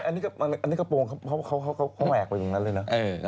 อันนี้กระโปรงเขาแหวกไปอย่างนั้นเลยเนอะ